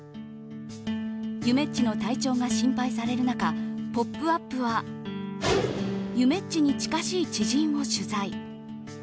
ゆめっちの体調が心配される中「ポップＵＰ！」はゆめっちに近しい知人を取材。